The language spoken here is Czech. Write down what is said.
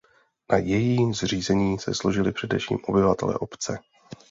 Na její zřízení se složili především obyvatelé obce.